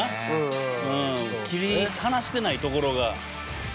切り離してないところが。